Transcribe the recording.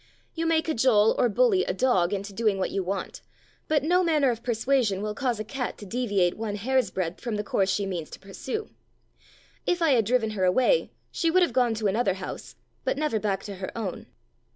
You may cajole or bully a dog into doing what you want, but no manner of persuasion will cause a cat to deviate one hair's breadth from the course she means to pursue. If I had driven her away she would have gone to another house, but never back to her own.